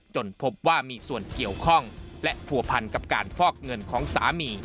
พบว่ามีส่วนเกี่ยวข้องและผัวพันกับการฟอกเงินของสามี